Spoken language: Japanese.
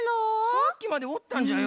さっきまでおったんじゃよ。